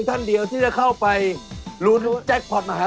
ง่ายไปเลย